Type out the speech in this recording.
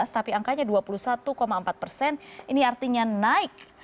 tapi angkanya dua puluh satu empat persen ini artinya naik